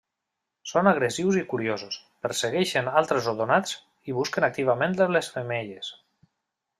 Són agressius i curiosos; persegueixen altres odonats i busquen activament les femelles.